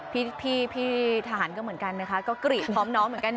พี่ทหารก็เหมือนกันนะคะก็กรีดพร้อมน้องเหมือนกัน